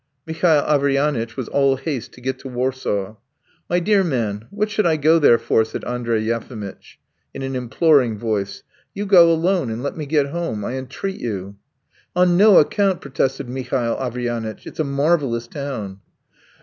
Mihail Averyanitch was all haste to get to Warsaw. "My dear man, what should I go there for?" said Andrey Yefimitch in an imploring voice. "You go alone and let me get home! I entreat you!" "On no account," protested Mihail Averyanitch. "It's a marvellous town."